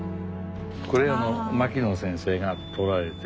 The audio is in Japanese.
これは牧野先生が採られて。